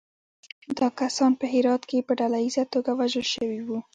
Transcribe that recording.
دا کسان په هرات کې په ډلییزه توګه وژل شوي وو.